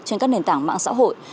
trên các nền tảng mạng xã hội